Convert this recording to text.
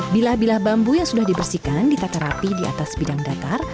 bilah bilah bambu yang sudah dibersihkan ditata rapi di atas bidang datar